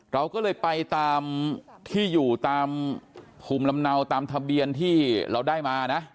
เราก็เลยไปตามที่อยู่ตามภูมิลำเนาตามทะเบียนที่เราได้มานะ